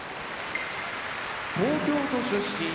東京都出身